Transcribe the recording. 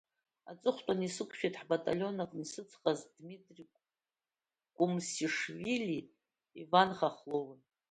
Аҵыхәтәаны исықәшәеит, ҳбаталион аҟны исыцҟаз Дмитри Кумсишвилии Иван Хохлови.